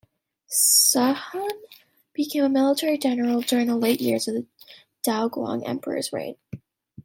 Sushun became a military general during the late years of the Daoguang Emperor's reign.